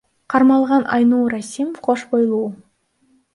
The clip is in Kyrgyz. Кармалган Айнура Сим кош бойлуу.